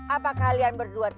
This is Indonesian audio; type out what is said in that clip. apa kalian berdua